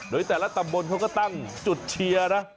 โดยแต่ละตำบลเขาก็ตั้งจุดเชียร์นะ